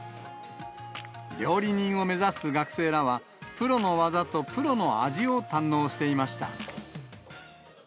料理人を目指す学生らは、プロの技とプロの味を堪能していました。